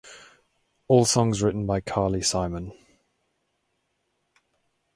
All songs written by Carly Simon.